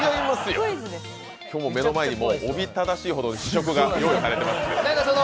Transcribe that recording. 今日も目の前におびただしいほどの試食が用意されています。